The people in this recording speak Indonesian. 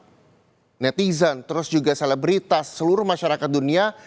perhatian mas sibula ini adalah para netizen terus juga selebritas seluruh masyarakat dunia